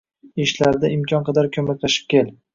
Ishlarida imkon qadar koʻmaklashib kel.